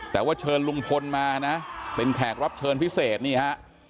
แต่ว่าเชิญลุงพลมานะเป็นแขกรับเชิญพิเศษนี่ฮะ